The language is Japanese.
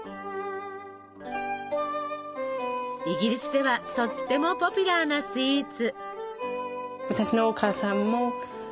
イギリスではとってもポピュラーなスイーツ。